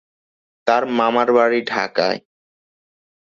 তার মামার বাড়ি ঢাকায়।